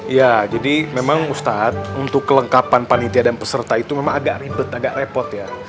ya jadi memang ustadz untuk kelengkapan panitia dan peserta itu memang agak ribet agak repot ya